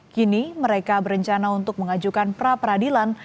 kini mereka berencana untuk mengajukan pra peradilan